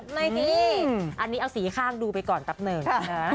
ในที่นี่อันนี้เอาสีข้างดูไปก่อนตับหนึ่ง